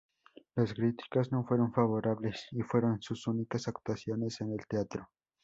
Las críticas no fueron favorables y fueron sus únicas actuaciones en el teatro.